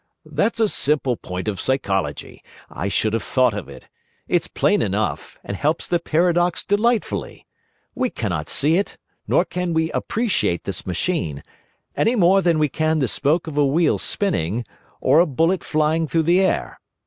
"That's a simple point of psychology. I should have thought of it. It's plain enough, and helps the paradox delightfully. We cannot see it, nor can we appreciate this machine, any more than we can the spoke of a wheel spinning, or a bullet flying through the air.